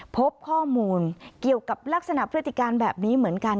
พบข้อมูลเกี่ยวกับลักษณะพฤติการแบบนี้เหมือนกัน